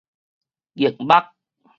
逆目